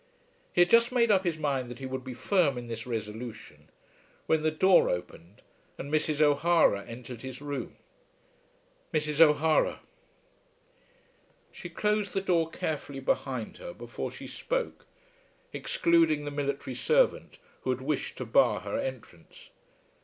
He had just made up his mind that he would be firm in this resolution, when the door opened and Mrs. O'Hara entered his room. "Mrs. O'Hara." She closed the door carefully behind her before she spoke, excluding the military servant who had wished to bar her entrance.